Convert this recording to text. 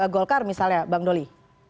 golkar misalnya bang doli